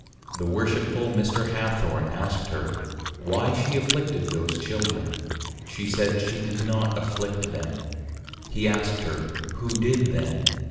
The Worshipful Mr. Hathorne asked her, Why she afflicted those Children? She said, she did not Afflict them. He asked her, who did then?